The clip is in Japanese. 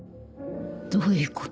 どういうこと？